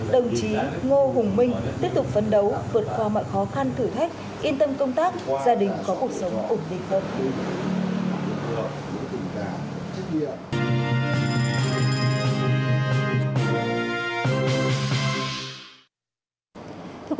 đồng chí ngô hùng minh